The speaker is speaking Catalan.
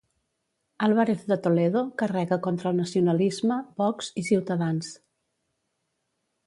Álvarez de Toledo carrega contra el nacionalisme, Vox i Ciutadans.